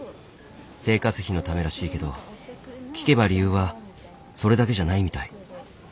生活費のためらしいけど聞けば理由はそれだけじゃないみたい。